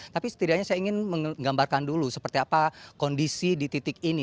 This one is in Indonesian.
tapi setidaknya saya ingin menggambarkan dulu seperti apa kondisi di titik ini